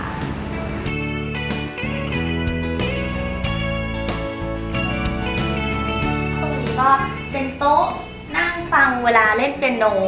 ตรงนี้ก็เป็นโต๊ะนั่งฟังเวลาเล่นเปียโน